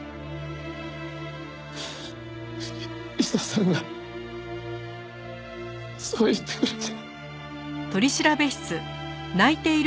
理沙さんがそう言ってくれて。